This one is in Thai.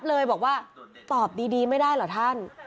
คือโซเชียลถะรมยับเลยตอบดีไม่ได้เหรอท่าน